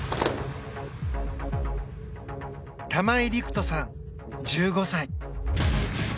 玉井陸斗さん、１５歳。